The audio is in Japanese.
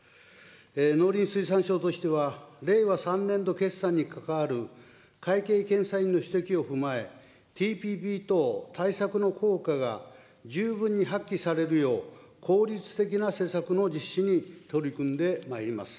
農林水産省としては、令和３年度決算にかかわる会計検査院の指摘を踏まえ、ＴＰＰ等対策の効果が十分に発揮されるよう、効率的な施策の実施に取り組んでまいります。